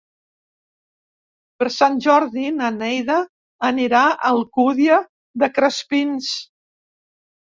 Per Sant Jordi na Neida anirà a l'Alcúdia de Crespins.